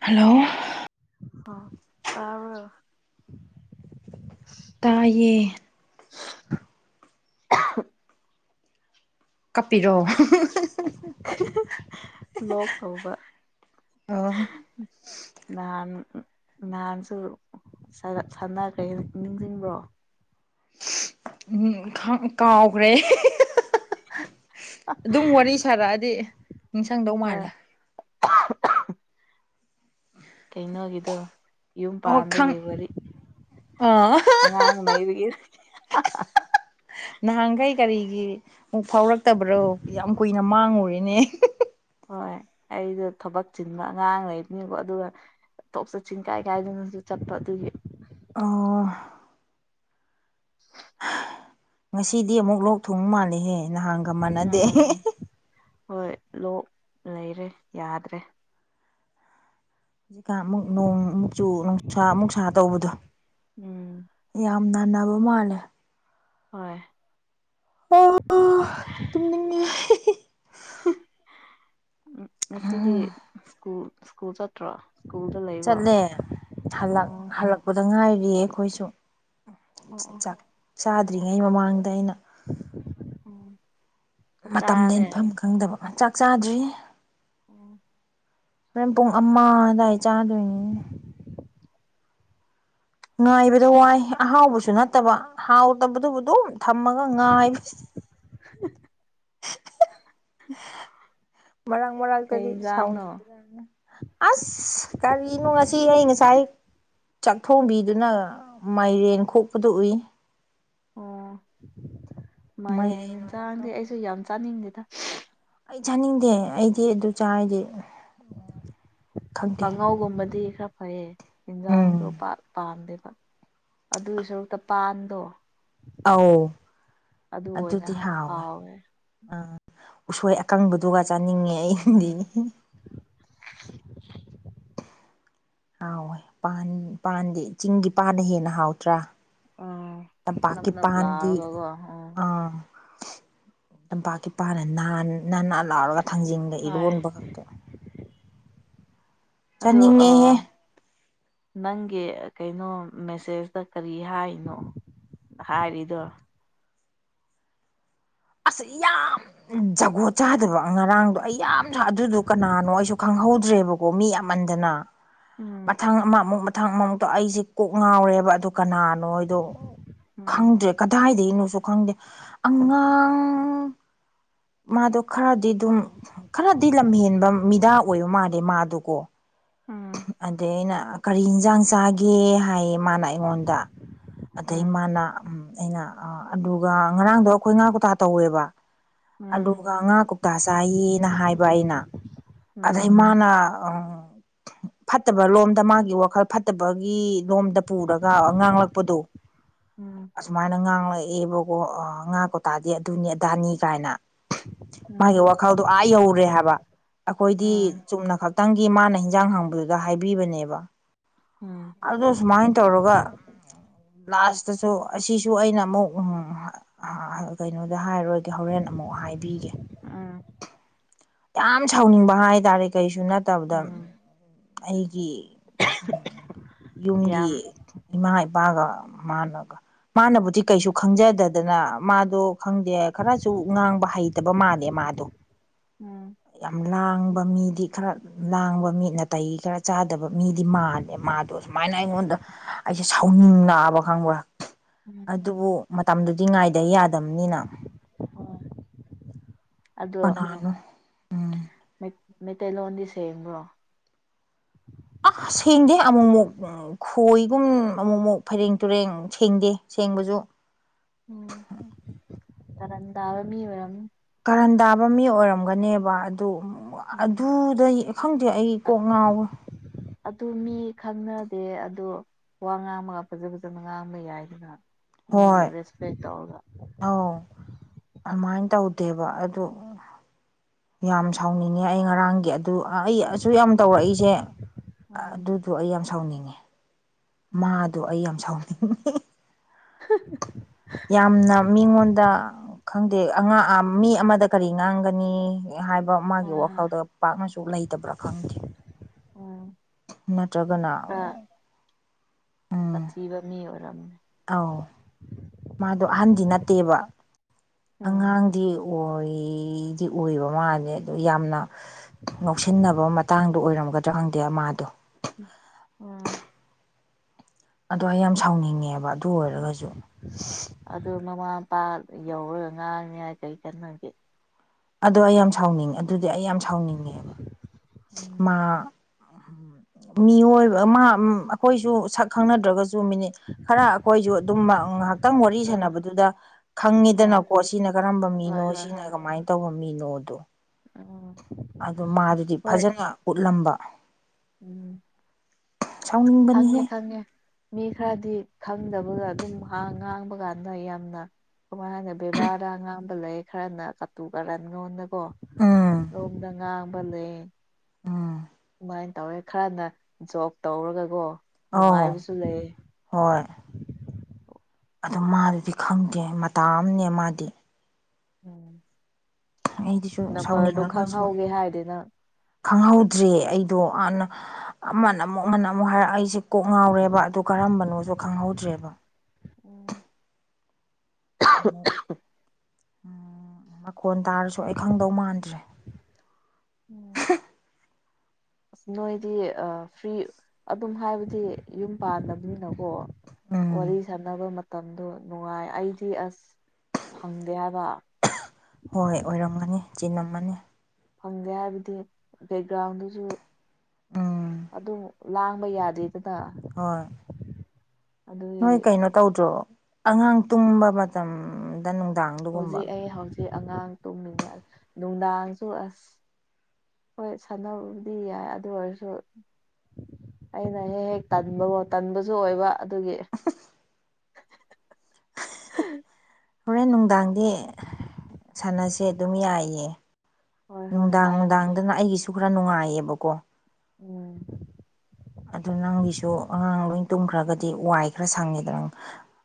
Hello ꯍ ꯇꯕꯔꯣ ꯇꯥꯏꯌꯦ ꯀꯥꯞꯄꯤꯔꯛꯑꯣ ꯂꯣꯛ ꯇꯧꯕ ꯑꯣ ꯥꯟ ꯥꯟꯁꯨ ꯁꯥꯟꯅ ꯀꯩ ꯍꯥꯏ ꯅꯤꯡꯁꯤꯡꯕ꯭ꯔꯣ ꯎ ꯀꯥꯎꯈ꯭ꯔꯦ ꯑꯗꯨꯝ ꯋꯥꯔꯤ ꯁꯥꯔꯛꯑꯗꯤ ꯅꯤꯡꯁꯪꯗꯧ ꯍꯣꯏ ꯃꯥꯜꯂꯦ ꯀꯩꯩꯅꯒꯗ ꯌꯨꯝ ꯑꯣ ꯄꯥꯟꯒꯦ ꯈꯪ ꯋꯥꯔꯤ ꯑꯥ ꯑꯉꯥꯡ ꯃꯩꯗꯨꯒ ꯅꯍꯥꯟꯈꯩ ꯀꯔꯤꯒꯤ ꯑꯃꯨꯛ ꯐꯥꯎꯔꯛꯇꯕ꯭ꯔꯣ ꯌꯥꯝ ꯀꯨꯏꯅ ꯃꯥꯡꯉꯨꯨꯔꯔꯤꯅꯦ ꯍꯣꯏ ꯑꯩꯗꯣ ꯊꯕꯛ ꯆꯤꯟꯕ ꯑꯉꯥꯡ ꯂꯩꯕꯅꯦꯕ ꯑꯗꯨꯒ ꯇꯣꯛ ꯆꯠ ꯆꯤꯡ ꯀꯥꯏ ꯀꯥꯏꯗꯨꯅꯁꯨ ꯆꯠꯄ ꯑꯗꯨꯒꯤ ꯑꯣ [unintelligible] ꯉꯁꯤꯗꯤ ꯑꯃꯨꯛ ꯂꯣꯛ ꯊꯣꯡ ꯃꯥꯜꯂꯦꯍꯦ ꯅꯍꯥꯟꯒ ꯃꯥꯟꯅꯗꯦ ꯎꯝ ꯍꯣꯏ ꯂꯣꯛ ꯂꯩꯔꯦ ꯌꯥꯗ꯭ꯔꯦ ꯍꯧꯖꯤꯛꯀꯥꯟ ꯑꯃꯨꯛ ꯅꯣꯡꯃꯨꯛꯆꯨ ꯅꯨꯡꯁꯥ ꯑꯃꯨꯛ ꯁꯥꯥ ꯇꯧꯕꯗꯣ ꯎꯝ ꯌꯥꯝ ꯅꯥꯟꯅꯕ ꯃꯥꯜꯂꯦ ꯍꯣꯏ ꯇꯨꯝꯅꯤꯡꯉꯦ [unintelligible] ꯎ ꯉꯁꯤꯗꯤ ꯁ꯭ꯀꯨꯜ ꯁ꯭ꯀꯨꯜ ꯆꯠꯇ꯭ꯔꯣ ꯁ꯭ꯀꯨꯜꯗ ꯂꯩꯕ꯭ꯔꯣ ꯆꯠꯂꯦ ꯑꯣ ꯍꯜꯂꯛꯄꯗ ꯉꯥꯏꯔꯤꯌꯦ ꯑꯩꯈꯣꯏꯁꯨ ꯑꯣ ꯆꯥꯛ ꯆꯥꯗ꯭ꯔꯤꯉꯩ ꯃꯃꯥꯡꯗ ꯑꯩꯅ ꯑꯣ ꯆꯥꯛ ꯃꯇꯝꯗ ꯆꯥꯔꯦ ꯏꯟꯐꯝ ꯈꯪꯗꯕ ꯆꯥꯛ ꯆꯥꯗ꯭ꯔꯤ ꯑꯣꯝ ꯃꯣꯔꯦꯟ ꯄꯨꯡ ꯑꯃ ꯑꯋꯥꯏ ꯆꯥꯗꯣꯏꯅꯤ ꯉꯥꯏꯕꯗ ꯋꯥꯏ ꯑꯍꯥꯎꯕꯁꯨ ꯅꯠꯇꯕ ꯍꯥꯎꯇꯕꯗꯨꯕꯨ ꯑꯗꯨꯝ ꯊꯝꯃꯒ ꯉꯥꯏ [unintelligible] ꯃꯔꯥꯡ ꯃꯔꯔꯥꯡ ꯀꯩ ꯀꯗꯤ ꯌꯦꯟꯖꯥꯡꯅꯣ ꯁꯥꯎꯟꯅ ꯑꯁ ꯀꯔꯤꯅꯣ ꯉꯁꯤ ꯑꯩ ꯉꯁꯥꯏ ꯆꯥꯛꯊꯣꯡꯕꯤꯗꯨꯅ ꯃꯥꯏꯔꯦꯟ ꯈꯣꯛꯄꯗ ꯎꯏ ꯃꯥꯦ ꯃꯥꯏꯔꯦꯟ ꯑꯣꯏꯔꯝꯗꯧ ꯌꯦꯟꯁꯥꯡꯗꯤꯦ ꯃꯥꯜꯂꯦ ꯑꯩꯁꯨ ꯌꯥꯝ ꯆꯥꯅꯤꯡꯗꯦꯗ ꯑꯩ ꯆꯥꯅꯤꯡꯗꯦ ꯑꯩꯗꯤ ꯑꯗꯨ ꯆꯥꯔꯗꯤ ꯈꯪꯗꯦ ꯀꯥꯡꯉꯧꯒꯨꯝꯕꯗꯤ ꯈꯔ ꯐꯩꯌꯦ ꯎꯝ ꯌꯦꯟꯖꯥꯡꯗꯣ ꯄꯥꯝꯗꯦꯕ ꯑꯗꯨꯒꯤ ꯁꯔꯨꯛꯇ ꯄꯥꯟꯗꯣ ꯑꯧ ꯑꯗꯨ ꯑꯣꯏꯅ ꯑꯗꯨꯗꯤ ꯍꯥꯎꯋꯦ ꯎꯝ ꯎꯁꯣꯏ ꯑꯀꯪꯕꯗꯨꯒ ꯆꯥꯅꯤꯡꯉꯦ ꯑꯩꯗꯤ ꯎꯝ ꯍꯥꯎꯣꯏ ꯄꯥꯟ ꯄꯥꯟꯗꯤ ꯆꯤꯡꯒꯤ ꯄꯥꯟꯅ ꯍꯦꯟꯅ ꯍꯥꯎꯇ꯭ꯔꯥ ꯇ ꯅꯞ ꯀꯤ ꯅꯞ ꯄꯥꯟꯗꯤ ꯂꯥꯎꯔꯒꯀꯣ ꯎꯝ ꯑꯝ ꯇꯝꯄꯥꯛꯀꯤꯄꯥꯥꯅ ꯅꯥꯅꯥ ꯂꯥꯎꯔꯒ ꯊꯥꯡꯖꯟꯒ ꯍꯣꯏ ꯏꯔꯣꯟꯕ ꯈꯛꯇꯣ ꯑꯗꯣ ꯑ ꯆꯥꯅꯤꯡꯉꯦꯍꯦ ꯅꯪꯒꯤ ꯀꯩꯅꯣ ꯃꯦꯁꯦꯁꯇ ꯀꯔꯤ ꯍꯥꯏꯅꯣ ꯍꯔꯤꯗꯨ ꯑꯁꯨ ꯌꯥꯝꯝ ꯖꯒꯣꯠ ꯆꯥꯗꯕ ꯉꯔꯥꯡꯗꯣ ꯑꯩ ꯌꯥꯝꯁꯨ ꯑꯗꯨꯗꯣ ꯀꯅꯥꯅꯣ ꯑꯩꯁꯨ ꯈꯪꯍꯧꯗ꯭ꯔꯦꯕꯣ ꯀꯣ ꯃꯤ ꯌꯥꯝꯃꯟꯗꯅ ꯎꯝ ꯃꯊꯪ ꯑꯃ ꯑꯃꯨꯛ ꯃꯊꯪ ꯑꯃꯃꯨꯛꯇꯣ ꯑꯩꯁꯦ ꯀꯣꯛ ꯉꯥꯎꯔꯦꯕ ꯑꯗꯨ ꯀꯅꯥꯅꯣ ꯅꯣꯏꯗꯣ ꯎꯝ ꯈꯪꯗ꯭ꯔꯦ ꯀꯗꯥꯏꯗꯒꯤꯅꯣꯁꯨ ꯈꯪꯗꯦ ꯑꯉꯥꯡ ꯃꯥꯗꯣ ꯈꯔꯗꯤ ꯑꯗꯨꯝ ꯈꯔꯗꯤ ꯂꯝꯍꯦꯟꯕ ꯃꯤꯗꯥ ꯑꯣꯏꯕ ꯃꯥꯜꯂꯦ ꯃꯥꯗꯨꯀꯣ ꯎꯝ ꯑꯗ ꯑꯩꯅ ꯀꯔꯤ ꯌꯦꯟꯁꯥꯡ ꯆꯥꯒꯦ ꯍꯥꯏ ꯃꯥꯅ ꯑꯩ ꯑꯩꯉꯣꯟꯗ ꯑꯗꯩ ꯎꯝ ꯃꯥꯅ ꯎꯝ ꯑꯩꯅ ꯑꯗꯨꯒ ꯉꯔꯥꯡꯗꯣ ꯑꯩꯈꯣꯏ ꯉꯥ ꯀꯊꯥ ꯇꯧꯋꯦꯕ ꯎꯝ ꯑꯂꯨꯒ ꯉꯥ ꯀꯧꯇꯥ ꯆꯥꯏꯌꯦꯅ ꯍꯥꯏꯕ ꯑꯩꯅ ꯑꯗꯩ ꯎꯝ ꯃꯥ ꯑ ꯑ ꯐꯠꯇꯕ ꯂꯣꯝꯗ ꯃꯥꯒꯤ ꯋꯥꯈꯜ ꯐꯠꯇꯕꯒꯤ ꯂꯣꯝꯗ ꯄꯨꯔꯒ ꯉꯥꯡꯂꯛꯄꯗꯣ ꯎꯝ ꯑꯁꯨꯃꯥꯏꯅ ꯉꯥꯡꯂꯛꯑꯦꯕꯀꯣ ꯉꯥꯀꯣꯇꯥꯥꯔꯗꯤ ꯑꯗꯨꯅꯦ ꯗꯥꯅꯤ ꯀꯥꯏꯅ ꯃꯥꯒꯤ ꯎꯝ ꯋꯥꯈꯜꯗꯣ ꯑꯥ ꯌꯧꯔꯦ ꯍꯥꯏꯕ ꯑꯩꯈꯣꯏꯗꯤ ꯎꯝ ꯆꯨꯝꯅ ꯈꯛꯇꯪꯒꯤ ꯃꯥꯅ ꯍꯟꯖꯥꯡ ꯍꯥꯡꯕꯗꯨꯗ ꯍꯥꯏꯕꯤꯕꯅꯦꯕ ꯎꯝ ꯑꯗꯨ ꯁꯨꯃꯥꯏꯅ ꯇꯧꯔꯒ ꯂꯥꯁꯇꯁꯨ ꯑꯁꯤꯁꯨ ꯑꯩꯅ ꯑꯃꯨꯛ ꯀꯩꯅꯣꯗ ꯍꯥꯏꯔꯣꯏꯒꯦ ꯍꯣꯔꯦꯟ ꯑꯃꯨꯛ ꯍꯥꯏꯕꯤꯒꯦ ꯑꯥ ꯌꯥꯝ ꯁꯥꯎꯅꯤꯡꯕ ꯍꯥꯏꯇꯥꯔꯦ ꯀꯩꯁꯨ ꯅꯠ ꯇꯧꯗꯪ ꯎꯝ ꯑꯩꯒꯤ ꯌꯥꯝ ꯌꯨꯝꯒꯤ ꯏꯃꯥ ꯏꯄꯥꯒ ꯃꯥꯅꯒ ꯃꯥꯅꯕꯨꯗꯤ ꯎꯝ ꯀꯩꯁꯨ ꯈꯪꯖꯗꯗꯅ ꯃꯥꯗꯣ ꯈꯪꯗꯦ ꯈꯔꯁꯨ ꯉꯥꯡꯕ ꯍꯩꯇꯕ ꯃꯥꯜꯂꯦ ꯃꯥꯗꯣ ꯎꯝ ꯌꯥꯝ ꯂꯥꯡꯕ ꯃꯤꯗꯤ ꯈꯔ ꯂꯥꯡꯕ ꯃꯤ ꯅꯥꯇꯩ ꯈꯔ ꯆꯥꯗꯕ ꯃꯤꯗꯤ ꯃꯥꯜꯂꯦ ꯃꯥꯗꯣ ꯁꯨꯃꯥꯏꯅ ꯑꯩꯉꯣꯟꯗ ꯑꯩꯁꯦ ꯁꯥꯎꯅꯤꯡ ꯂꯑꯕ ꯈꯪꯕ꯭ꯔꯥ ꯎꯝ ꯑꯗꯨꯕꯨ ꯃꯇꯝꯗꯨꯗꯤ ꯉꯥꯏꯗ ꯌꯥꯗꯕꯅꯤꯅ ꯍꯣꯏ ꯑꯗꯣ ꯀꯅꯥꯅꯣ ꯃꯩꯇꯩꯂꯣꯟꯗꯤ ꯁꯦꯡꯕ꯭ꯔꯣ ꯑꯥ ꯁꯦꯡꯗꯦ ꯑꯃꯨꯛꯃꯨꯛ ꯈꯣꯏꯒꯨꯝ ꯑꯃꯨꯃꯨꯛ ꯑꯃꯨꯃꯨꯛ ꯐꯩꯔꯦꯡ ꯇꯨꯔꯦꯡ ꯁꯦꯡꯗꯦ ꯁꯦꯡꯕꯁꯨ ꯎꯝ ꯀꯔꯟ ꯇꯥꯕ ꯃꯤ ꯑꯣꯏꯔꯝ ꯅꯤ ꯀꯔꯟ ꯇꯥꯕ ꯃꯤ ꯑꯣꯏꯔꯝꯒꯅꯦꯕ ꯑꯗꯨ ꯎꯝ ꯑꯗꯨꯗꯩ ꯈꯪꯗꯦ ꯑꯩ ꯀꯣꯛ ꯉꯥꯎꯋꯦ ꯑꯗꯨ ꯃꯤ ꯈꯪꯅꯗꯦ ꯑꯗꯣ ꯋꯥ ꯉꯥꯡꯕꯒ ꯐꯖ ꯐꯖꯅ ꯉꯥꯡꯕ ꯌꯥꯏꯗꯅ ꯃꯤꯒꯤ ꯍꯣꯏ ꯔꯦꯁꯄꯦꯛ ꯇꯧꯔꯒ ꯑꯧ ꯑꯗꯨꯃꯥꯏꯅ ꯇꯧꯗꯦꯕ ꯑꯗꯨ ꯌꯥꯝ ꯁꯥꯎꯅꯤꯡꯉꯦ ꯑꯩ ꯉꯔꯥꯡꯒꯤ ꯑꯗꯨ ꯑꯩ ꯑꯁꯨ ꯌꯥꯝ ꯇꯧꯔꯛꯏꯁꯦ ꯎꯝ ꯑꯗꯨꯗꯣ ꯑꯩ ꯌꯥꯝ ꯁꯥꯎꯅꯤꯡꯉꯦ꯫ ꯎꯝ ꯃꯥꯗꯣ ꯑꯩ ꯌꯥꯝ ꯁꯥꯎꯅꯤꯡ ꯍꯦ-ꯍꯦ꯫ ꯌꯥꯝꯅ ꯃꯤꯉꯣꯟꯗ ꯈꯪꯗꯦ ꯑꯥꯉꯥꯡ ꯃꯤ ꯑꯃꯗ ꯀꯔꯤ ꯉꯥꯡꯒꯅꯤ꯫ ꯍꯥꯏꯕ ꯃꯥꯒꯤ ꯍꯣꯏ ꯍꯣꯏ ꯋꯥꯈꯜꯗ ꯄꯥꯛꯅꯁꯨ ꯂꯩꯇꯕ꯭ꯔꯥ ꯈꯪꯗꯦ꯫ ꯎꯝ ꯅꯠꯇ꯭ꯔꯒꯅ ꯈꯔ ꯎꯝ ꯁꯥꯊꯤꯕ ꯃꯤ ꯑꯣꯏꯔꯝꯃꯦ꯫ ꯑꯧ ꯃꯥꯗꯣ ꯑꯍꯟꯗꯤ ꯅꯠꯇꯦꯕ ꯎꯝ ꯑꯉꯥꯡꯗꯤ ꯑꯣꯏꯗꯤ ꯑꯣꯏꯕ ꯃꯥꯜꯂꯦ ꯑꯗꯣ ꯌꯥꯝꯅ ꯉꯧꯁꯤꯟꯅꯕ ꯃꯇꯥꯡꯗꯣ ꯑꯣꯏꯔꯝꯒꯗ꯭ꯔꯥ ꯈꯪꯗꯦ ꯑꯃꯥꯗꯣ ꯎꯝ ꯑꯗꯣ ꯑꯩ ꯌꯥꯝ ꯁꯥꯎꯅꯤꯡꯉꯦꯕ ꯑꯗꯨ ꯑꯣꯏꯔꯒꯁꯨ ꯑꯗꯨ ꯃꯃꯥ ꯃꯄꯥ ꯌꯧꯔꯒ ꯉꯥꯡꯑꯦ ꯀꯩ ꯀꯅꯒꯦ꯫ ꯑꯗꯣ ꯑꯩ ꯌꯥꯝ ꯁꯥꯎꯅꯤꯡꯉ ꯑꯗꯨꯗꯤ ꯑꯩ ꯌꯥꯝ ꯁꯥꯎꯅꯤꯡꯉꯦꯕ ꯃꯥ ꯎꯝ ꯃꯤꯑꯣꯏꯕ ꯑꯃ-ꯎꯝ ꯑꯩꯈꯣꯏꯁꯨ ꯁꯛ ꯈꯪꯅꯒꯗ꯭ꯔꯁꯨ ꯃꯤꯅꯤꯠ ꯈꯔ ꯑꯩꯈꯣꯏꯁꯨ ꯑꯗꯨꯝ ꯉꯥꯏꯍꯥꯛꯇꯪ ꯋꯥꯔꯤ ꯍꯣꯏ ꯁꯥꯟꯅꯕꯗꯨꯗ ꯍꯣꯏ ꯈꯪꯉꯤꯗꯅꯀꯣ ꯁꯤꯅ ꯀꯔꯝꯕ ꯍꯣꯏ ꯃꯤꯅꯣ ꯍꯣꯏ ꯁꯤꯅ ꯍꯣꯏ ꯀꯃꯥꯏꯅ ꯇꯧꯕ ꯃꯤꯅꯣꯗꯣ꯫ ꯎꯝ ꯑꯗꯨ ꯃꯥꯗꯨꯗꯤ ꯍꯣꯏ ꯐꯖꯟꯅ ꯎꯠꯂꯝꯕ ꯎꯝ ꯈꯪꯉꯦ ꯁꯥꯎꯅꯤꯡꯕꯅꯤꯍꯦ ꯈꯪꯉꯦ꯫ ꯃꯤ ꯈꯔꯗꯤ ꯈꯪꯗꯕꯒ ꯑꯗꯨꯝ ꯍꯥ ꯉꯥꯡꯕ ꯀꯥꯟꯗ ꯌꯥꯝꯅ ꯀꯃꯥꯏꯅꯍꯥꯏꯅꯤ ꯕꯦꯕꯥꯔꯗ ꯉꯥꯡꯕ ꯂꯩ ꯈꯔꯅ ꯀꯥꯇꯨ ꯀꯥꯔꯟꯂꫭꯟꯗ ꯀꯣ ꯎꯝ ꯔꯣꯝꯗ ꯉꯥꯡꯕ ꯂꯩꯑꯦ꯫ ꯎꯝ ꯑꯗꯨꯃꯥꯏꯅ ꯇꯧꯋꯦ ꯈꯔꯅ ꯖꯣꯕ ꯇꯧꯔꯒꯀꯣ ꯑꯧ ꯅꯨꯡꯉꯥꯏꯕꯁꯨ ꯂꯩꯑꯦ꯫ ꯍꯣꯏ꯫ ꯑꯗꯨ ꯃꯥꯗꯨꯗꯤ ꯈꯪꯗꯦ ꯃꯇꯥ ꯑꯃꯅꯦ ꯃꯥꯗꯤ꯫ ꯎꯝ ꯑꯩꯗꯤꯁꯨ ꯅꯝꯕꯔꯗꯣ ꯁꯥꯎꯅꯤꯡꯉꯒꯁꯨ ꯈꯪꯍꯧꯒꯦ ꯍꯥꯏꯗꯅꯪ ꯈꯪꯍꯧꯗ꯭ꯔꯦ ꯑꯩꯗꯣ ꯑꯅ ꯑꯃꯅ ꯑꯃꯨꯛ ꯑꯃꯅ ꯑꯃꯨꯛ ꯍꯥꯏꯔꯛ ꯑꯩꯁꯦ ꯀꯣꯛ ꯉꯥꯎꯔꯦꯕ ꯑꯗꯨ ꯀꯔꯝꯕꯅꯣꯁꯨ ꯈꯪꯍꯧꯗ꯭ꯔꯦꯕ ꯑꯃꯨꯛ [inaudible] ꯎꯝ ꯃꯈꯣꯟ ꯇꯥꯔꯁꯨ ꯑꯩ ꯈꯪꯗꯧ ꯃꯥꯟꯗ꯭ꯔꯦ꯫ ꯎꯝ ꯑꯁ ꯅꯣꯏꯗꯤ ꯐ꯭ꯔꯤ ꯑꯗꯨꯝ ꯍꯥꯏꯕꯗꯤ ꯌꯨꯝ ꯄꯥꯟꯗꯕꯅꯤꯅꯀꯣ꯫ ꯎꯝ ꯋꯥꯔꯤ ꯁꯥꯟꯅꯕ ꯃꯇꯝꯗꯣ ꯅꯨꯡꯉꯥꯏ ꯑꯩꯗꯤ ꯑꯁ ꯐꯪꯗꯦ ꯍꯥꯏꯕ ꯍꯣꯏ ꯑꯣꯏꯔꯝꯒꯅꯤ ꯆꯤꯂꯝꯝꯃꯅꯤ꯫ ꯐꯪꯒꯦ ꯍꯥꯏꯕꯗꯤ ꯕꯦꯛꯒ꯭ꯔꯥꯎꯟꯗꯨꯁꯨ ꯎꯝ ꯑꯗꯨꯝ ꯂꯥꯡꯕ ꯌꯥꯗꯦꯗꯅ ꯍꯣꯏ ꯑꯗꯨꯒꯤ ꯅꯣꯏ ꯀꯩꯅꯣ ꯇꯧꯗ꯭ꯔꯣ ꯑꯉꯥꯡ ꯇꯨꯝꯕ ꯃꯇꯝꯗ ꯅꯨꯡꯗꯥꯡꯗꯨꯒꯨꯝꯕ ꯍꯧꯖꯤꯛ ꯑꯩ ꯍꯧꯖꯤꯛ ꯑꯉꯥꯡ ꯇꯨꯝꯃꯤꯟꯅ ꯅꯨꯡꯗꯥꯡꯁꯨ ꯑꯁ ꯍꯣꯏ ꯁꯥꯟꯅꯕꯕꯨꯗꯤ ꯌꯥꯏ ꯑꯗꯨ ꯑꯣꯏꯔꯁꯨ ꯑꯩꯅ ꯍꯦꯛ ꯍꯦꯛ ꯇꯟꯕꯣ ꯇꯟꯕꯁꯨ ꯑꯣꯏꯕ ꯑꯗꯨꯒꯤ꯫ [inaudible] ꯍꯣꯔꯦꯟ ꯅꯨꯡꯗꯥꯡꯗꯤ ꯁꯥꯟꯅꯁꯦ ꯑꯗꯨꯝ ꯌꯥꯏꯌꯦ꯫ ꯍꯣꯏ ꯍꯣꯏ ꯅꯨꯡꯗꯥꯡ ꯍꯥꯏꯔꯛꯀꯦ ꯅꯨꯡꯗꯥꯡꯗꯅ ꯑꯩꯒꯤꯁꯨ ꯈꯔ ꯅꯨꯡꯉꯥꯏꯌꯦꯕꯀꯣ꯫ ꯎꯝ ꯑꯗꯨ ꯅꯪꯒꯤꯁꯨ ꯑꯉꯥꯡ ꯂꯣꯏ ꯇꯨꯝꯈ꯭ꯔꯒꯗꯤ ꯋꯥꯏ ꯈꯔ ꯁꯪꯉꯦꯗ ꯅꯪ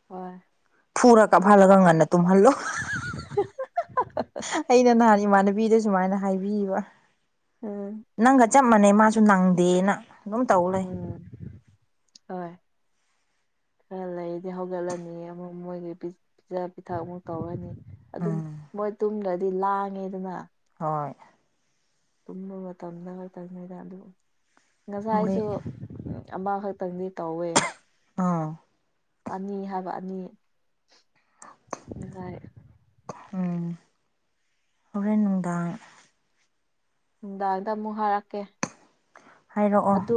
ꯍꯣꯏ ꯄꯨꯡ ꯇꯨꯝꯍꯜꯂꯣ ꯑꯩꯅ ꯅꯍꯥꯟ ꯏꯃꯥꯟꯅꯕꯤꯗ ꯁꯨꯃꯥꯏꯅ ꯍꯥꯏꯕꯤꯕ ꯑꯝ ꯅꯪꯒ ꯆꯞ ꯃꯥꯟꯅꯩ ꯃꯥꯁꯨ ꯅꯪꯗꯦꯅ ꯑꯗꯨꯝ ꯇꯧ ꯂꯩ ꯎꯝ ꯍ ꯈꯔ ꯂꯩꯔꯗꯤ ꯍꯧꯒꯠꯂꯅꯤ ꯑꯃꯨꯛ ꯃꯣꯏꯒꯤ ꯄꯤꯖ ꯄꯤꯊꯛ ꯑꯃꯨꯛ ꯇꯧꯔꯅꯤ ꯑꯗꯨꯝ ꯎꯝ ꯃꯣꯏ ꯇꯨꯝꯗ꯭ꯔꯗꯤ ꯂꯥꯡꯉꯦꯗꯅ ꯍꯣꯏ ꯇꯨꯝꯕ ꯃꯇꯝꯗ ꯈꯛꯇꯪꯅꯤꯗ ꯑꯗꯨ ꯃꯣꯏ ꯉꯁꯥꯏꯁꯨ ꯎꯝ ꯑꯃ ꯈꯛꯇꯪꯗꯤ ꯇꯧꯋꯦ ꯑꯥ ꯑꯅꯤ ꯍꯥꯏꯕ ꯑꯅꯤ ꯉꯁꯥꯏ ꯎꯝ ꯍꯣꯔꯦꯟ ꯅꯨꯡꯗꯥꯡ ꯅꯨꯡꯗꯥꯡꯗ ꯑꯃꯨꯛ ꯍꯥꯏꯔꯛꯀꯦ ꯍꯥꯏꯔꯛꯑꯣ ꯑꯗꯨ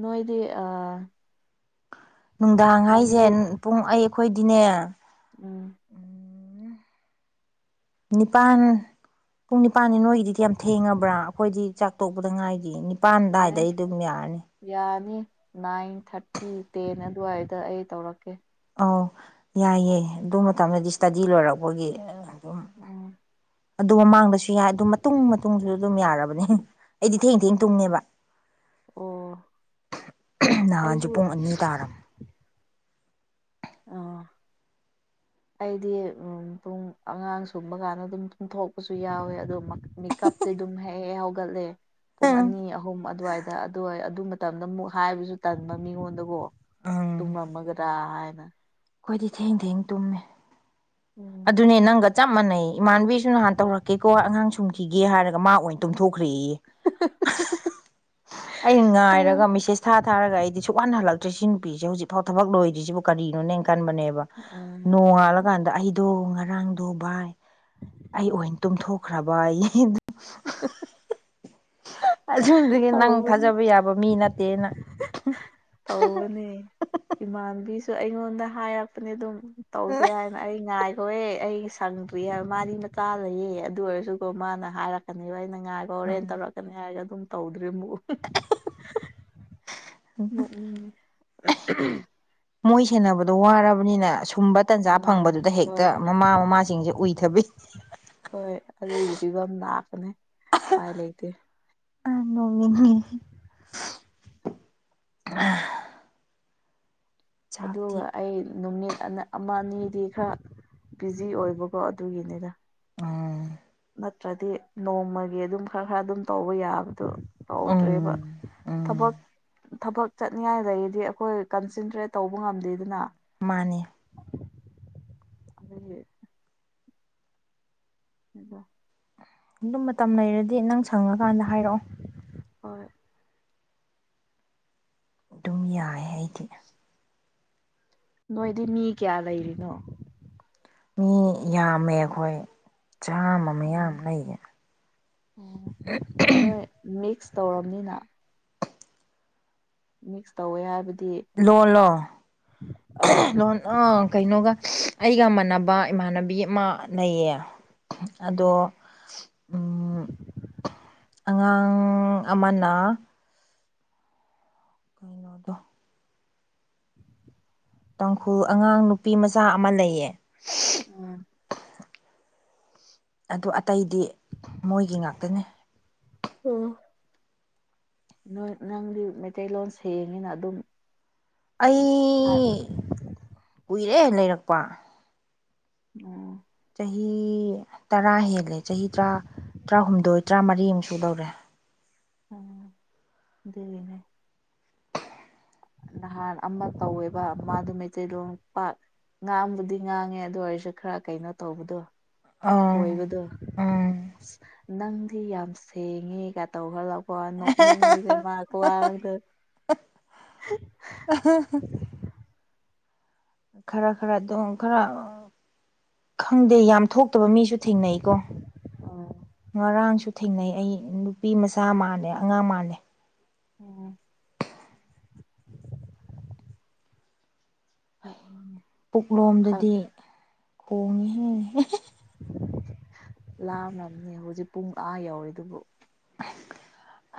ꯅꯣꯏꯗꯤ ꯑ ꯅꯨꯡꯗꯥꯡ ꯍꯥꯏꯁꯦ ꯄꯨꯡ ꯑꯩꯈꯣꯏꯗꯤꯅꯦ ꯎꯝ ꯅꯤꯄꯥꯟ ꯄꯨꯡ ꯅꯤꯄꯜꯅꯤ ꯅꯣꯏꯒꯤꯗꯤꯗꯤ ꯌꯥꯝ ꯊꯦꯡꯉꯕ꯭ꯔꯥ ꯑꯩꯈꯣꯏꯗꯤ ꯆꯥꯛ ꯇꯣꯛꯄꯗ ꯉꯥꯏꯒꯤ ꯑꯦ ꯄꯥꯟꯗꯥꯏꯗ ꯑꯗꯨꯝ ꯌꯥꯔꯅꯤ ꯌꯥꯅꯤ ꯅꯥꯏꯟ ꯊꯥꯔꯇꯤ ꯇꯦꯟ ꯑꯗꯨꯋꯥꯏꯗ ꯑꯩ ꯇꯧꯔꯛꯀꯦ ꯑꯧ ꯌꯥꯏꯌꯦꯦ ꯑꯗꯨ ꯃꯇꯝꯗꯗꯤ ꯏꯁ꯭ꯇꯗꯤ ꯂꯣꯏꯔꯛꯄꯒꯤ ꯑꯗꯨꯝ ꯎꯝ ꯑꯗꯨ ꯃꯃꯥꯡꯗ ꯁꯤ ꯁꯤ ꯌꯥ ꯑꯗꯨ ꯃꯇꯨꯡ ꯃꯇꯨꯡꯁꯨ ꯑꯗꯨꯝ ꯌꯥꯔꯕꯅꯤ ꯑꯩꯗꯤ ꯊꯦꯡ ꯏ ꯊꯦꯡ ꯎꯝ ꯇꯨꯡꯉꯦꯕ ꯑꯣ ꯅꯍꯥꯟꯁꯨ ꯑꯩꯁꯨ ꯄꯨꯡ ꯑꯅꯤ ꯇꯥꯔꯕꯝ ꯑꯥ ꯑꯩꯗꯤ ꯄꯨꯡ ꯑꯉꯥꯡ ꯁꯨꯝꯕ ꯀꯥꯟꯗ ꯑꯗꯨꯝ ꯄꯨꯡ ꯊꯣꯛꯄꯁꯨ ꯌꯥꯎꯋꯦ ꯑꯗꯨ ꯃꯦꯀꯞꯇꯤ ꯑꯗꯨꯝ ꯍꯦꯛ ꯍꯦꯛ ꯍꯧꯒꯠꯂꯦ ꯄꯨꯡ ꯑꯪ ꯑꯅꯤ ꯑꯍꯨꯝ ꯑꯗꯨꯋꯥꯏꯗ ꯑꯗꯨꯏ ꯑꯗꯨ ꯃꯇꯝꯗ ꯑꯃꯨꯛ ꯍꯥꯏꯕꯁꯨ ꯇꯟꯕ ꯃꯤꯉꯣꯟꯗꯀꯣ ꯇꯨꯝꯂꯝꯝꯃꯒ꯭ꯔꯥ ꯍꯥꯏꯅ ꯑꯩꯈꯣꯏꯗꯤ ꯊꯦꯡ ꯊꯦꯡ ꯇꯨꯝꯃꯦ ꯎꯝ ꯑꯗꯨꯅꯦ ꯅꯪꯒ ꯆꯞ ꯃꯥꯟꯅꯩ ꯏꯃꯥꯟꯅꯕꯤꯁꯨ ꯅꯍꯥꯟ ꯇꯧꯔꯛꯀꯦꯀꯣ ꯑꯉꯥꯡ ꯁꯨꯝꯈꯤꯒꯦ ꯍꯥꯏꯔꯒ ꯃꯥ ꯑꯣꯏꯅꯤ ꯇꯨꯝꯊꯣꯛꯈ꯭ꯔꯦꯏ ꯑꯩꯅ ꯉꯥꯏꯔꯒ ꯇꯧ ꯃꯤꯁꯦꯁ ꯊꯥ ꯊꯥꯔꯒ ꯑꯩꯗꯤ ꯁꯨꯛ ꯋꯥꯅ ꯍꯜꯂꯛꯇꯦ ꯍꯧꯖꯤꯛ ꯐ ꯊꯕꯛ ꯂꯣꯏꯗꯔꯤꯁꯤꯕꯨ ꯀꯔꯤꯅꯣꯅꯦ ꯀꯟꯕꯅꯦꯕ ꯑ ꯅꯣꯡꯉꯥꯜꯂ ꯀꯥꯟꯗ ꯑꯗꯣ ꯉꯔꯥꯡꯗꯣ ꯚꯥꯏ ꯑꯩ ꯑꯣꯏꯅ ꯇꯨꯝꯊꯣꯛꯈ꯭ꯔꯕ ꯑꯁꯨꯝꯕꯗꯨꯒꯤ ꯅꯪ ꯇꯧꯕꯅꯦ ꯊꯥꯖꯕ ꯌꯥꯕ ꯃꯤ ꯅꯠꯇꯦꯅ ꯇꯧꯅꯦ ꯏꯃꯥꯟꯕꯤ ꯁꯨ ꯑꯩꯉꯣꯟꯗ ꯍꯥꯏꯔꯛꯄꯅꯦ ꯑꯗꯨꯝ ꯇꯧꯁꯦ ꯍꯥꯏꯅ ꯑꯩ ꯉꯥꯏ ꯍꯣꯏꯍꯦ ꯑꯩ ꯁꯪꯗ꯭ꯔꯤꯕ ꯃꯥꯗꯤ ꯃꯆꯥ ꯂꯩꯌꯦ ꯑꯗꯨ ꯑꯣꯏꯔꯁꯨꯀꯣ ꯃꯥꯅ ꯍꯥꯏꯔꯛꯀꯅꯦꯕ ꯑꯩꯅ ꯉꯥꯏꯈ ꯍꯣꯔꯦꯟ ꯎꯝ ꯇꯧꯔꯛꯀꯅꯤ ꯍꯥꯏꯔꯒ ꯑꯗꯨꯝ ꯇꯧꯗ꯭ꯔꯤ ꯑꯃꯨꯛ ꯎꯝ ꯎꯝ ꯃꯣꯏ ꯁꯦꯟꯅꯕꯗꯣ ꯋꯥꯔꯕꯅꯤꯅ ꯑꯁꯨꯝꯕ ꯇꯟꯖꯥ ꯎꯝ ꯐꯪꯕꯗꯨꯗ ꯍꯦꯛꯇ ꯍꯣꯏ ꯃꯃꯥ ꯃꯃꯥꯁꯤꯡꯁꯦ ꯎꯏꯊꯕꯤ ꯍꯣꯏ ꯑꯗꯨꯒꯤ ꯐꯤꯕꯝ ꯂꯥꯛꯄꯅꯦ ꯎꯄꯥꯏ ꯂꯩꯇꯦ [unintelligible] ꯆꯥꯛꯇꯤ ꯑꯗꯨꯒ ꯑꯩ ꯅꯨꯃꯤꯠ ꯑ ꯑꯃ ꯑꯅꯤꯗꯤ ꯈꯔ ꯕꯤꯖꯤ ꯑꯣꯏꯕꯀꯣ ꯑꯗꯨꯒꯤꯅꯤꯗ ꯎꯝ ꯅꯠꯇ꯭ꯔꯗꯤ ꯅꯣꯡꯃꯒꯤ ꯑꯗꯨꯝ ꯈꯔ ꯈꯔ ꯑꯗꯨꯝ ꯇꯧꯕ ꯌꯥꯕꯗꯣ ꯇꯧꯗ꯭ꯔꯦꯕ ꯎꯝ ꯎꯝ ꯊꯕꯛ ꯊꯕꯛ ꯆꯠꯅꯤꯡꯉꯥꯏ ꯂꯩꯔꯗꯤ ꯑꯩꯈꯣꯏ ꯀꯟꯁꯦꯟꯇ꯭ꯔꯦꯠ ꯇꯧꯕ ꯉꯝꯗꯦꯗꯅ ꯃꯥꯅꯤ ꯑꯗꯨꯒꯤ ꯑꯩꯗꯣ ꯑꯗꯨꯝ ꯃꯇꯝ ꯂꯩꯔꯗꯤ ꯅꯪ ꯁꯪꯉꯀꯥꯟꯗ ꯍꯥꯏꯔꯛꯑꯣ ꯍꯣꯏ ꯑꯗꯨꯝ ꯌꯥꯏꯌ‌ꯦ ꯑꯩꯗꯤ ꯅꯣꯏꯗꯤ ꯃꯤ ꯀꯌꯥ ꯂꯩꯔꯤꯅꯣ ꯃꯤ ꯌꯥꯝꯃꯦ ꯑꯩꯈꯣꯏ ꯆꯥꯝꯃ ꯎꯝ ꯃꯌꯥꯃꯨꯛ ꯂꯩꯌꯦ ꯑꯣ ꯅꯣꯏ ꯃꯤꯛꯁ ꯇꯧꯔꯝꯅꯤꯅ ꯃꯤꯛꯁ ꯇꯧꯋꯦ ꯍꯥꯏꯕꯗꯤ ꯂꯣꯟꯜꯂꯣ ꯑꯥꯎ ꯂꯣꯟ ꯑ ꯀꯩꯅꯣꯒ ꯑꯩꯒ ꯃꯥꯟꯅꯕ ꯏꯃꯥꯟꯅꯕꯤ ꯑꯃ ꯂꯩꯌꯦ ꯎꯝ ꯑꯗꯣ ꯎꯝ ꯑꯉꯥꯡ ꯑꯃꯅ [unintelligible] [inaudible] ꯇꯥꯡꯈꯨꯜ ꯑꯉꯥꯡ ꯅꯨꯄꯤ ꯃꯆꯥ ꯑꯃ ꯂꯩꯌꯦ ꯎꯝ ꯑꯗꯨ ꯑꯇꯩꯗꯤ ꯃꯣꯏꯒꯤ ꯉꯥꯛꯇꯅꯦ ꯑꯣ ꯅꯣꯏ ꯅꯪꯗꯤ ꯃꯩꯇꯩꯂꯣꯟ ꯁꯦꯡꯉꯤꯅ ꯑꯗꯨꯝ ꯑꯩ ꯀꯨꯏꯔꯦ ꯂꯩꯔꯛꯄ ꯑꯣ ꯆꯍꯤ ꯇꯔꯥ ꯍꯦꯜꯂꯦ ꯆꯍꯤ ꯇꯔꯥ ꯇꯔꯥꯍꯨꯝꯗꯣꯏ ꯇꯔꯥꯃꯔꯤꯃꯨꯛ ꯁꯨꯗꯧꯔꯦ ꯑꯣ ꯑꯗꯨꯒꯤꯅꯦ ꯅꯍꯥꯟ ꯑꯃ ꯇꯧꯋꯦꯕ ꯃꯥꯗꯨ ꯃꯩꯇꯩꯂ‌ꯣꯟ ꯄꯥꯛ ꯉꯥꯡꯕꯨꯗꯤ ꯉꯥꯡꯉꯦ ꯑꯗꯨ ꯑꯣꯏꯔꯁꯨ ꯈꯔ ꯀꯩꯅꯣ ꯇꯧꯕꯗꯣ ꯑꯥ ꯈꯣꯏꯕꯗꯣ ꯎꯝ ꯑꯁ ꯅꯪꯗꯤ ꯌꯥꯝ ꯁꯦꯡꯉꯦꯒ ꯇꯧꯕ ꯍ‌ꯣꯏ ꯅ‌ꯣꯛꯅꯤꯡꯕꯁꯤ ꯃꯥꯏ ꯈꯨꯉꯥꯡꯗ‌ꯣ [unintelligible] [unintelligible] ꯈꯔ ꯈꯔ ꯑꯗꯨꯝ ꯈꯔ ꯈꯪꯗꯦ ꯌꯥꯝ ꯊꯣꯛ ꯊ‌ꯣꯛꯇꯕ ꯃꯤꯁꯨ ꯊꯦꯡꯅꯩꯀꯣ ꯉꯔꯥꯡꯁꯨ ꯊꯦꯡꯅꯩ ꯑꯩ ꯅꯨꯄꯤ ꯃꯆꯥ ꯃꯥꯜꯂ‌ꯦ ꯑꯉꯥꯡ ꯃꯥꯜꯗ‌ꯦ ꯑꯣ [inaudible] ꯑꯣ ꯄꯨꯛꯂꯣꯝꯗꯗꯤ ꯈꯣꯡꯉꯦ ꯍꯦ ꯂꯥꯝꯔꯝꯅꯤ ꯍꯧꯖꯤꯛ ꯄꯨꯡ ꯑꯥ ꯌꯧꯔꯤ ꯗꯨꯕꯨ [inaudible]